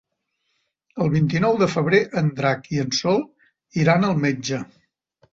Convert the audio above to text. El vint-i-nou de febrer en Drac i en Sol iran al metge.